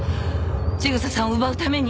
千草さんを奪うために？